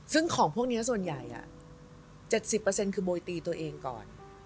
ซึ่งของพวกนี้ส่วนใหญ่๗๐คือโมยตีตัวเองก่อน